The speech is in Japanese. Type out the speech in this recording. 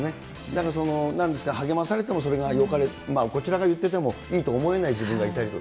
なんか、なんですか、励まされてもそれがよかれ、こちらが言っててもいいと思えない自分がいたりと。